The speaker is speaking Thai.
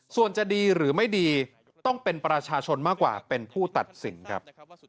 ส่วนจะดีหรือไม่ดีต้องเป็นประชาชนมากกว่าเป็นผู้ตัดสินครับ